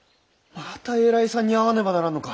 また偉いさんに会わねばならんのか？